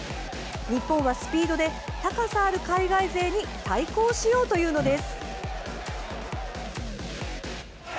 日本は、スピードで高さある海外勢に対抗しようというのです。